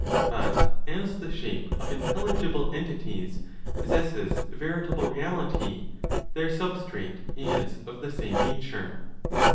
But as the shape (of intelligible entities) possesses veritable (reality), their substrate is of the same nature.